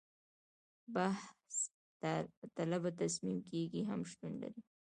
بحث طلبه تصمیم ګیري هم شتون لري.